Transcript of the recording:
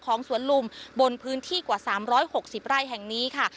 สวนลุมบนพื้นที่กว่า๓๖๐ไร่แห่งนี้ค่ะ